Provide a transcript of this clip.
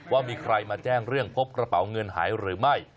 ว่ามีใครมาแจ้งเรื่องพบกระเป๋าเงินหายหรือไม่